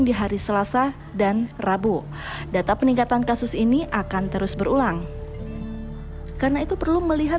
di hari selasa dan rabu data peningkatan kasus ini akan terus berulang karena itu perlu melihat